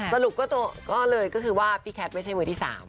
สรุปก็เลยก็คือว่าพี่แคทไม่ใช่มือที่๓